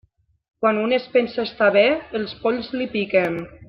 Quan un es pensa estar bé, els polls li piquen.